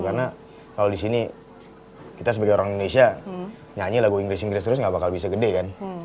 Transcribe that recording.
karena kalau di sini kita sebagai orang indonesia nyanyi lagu inggris inggris terus gak bakal bisa gede kan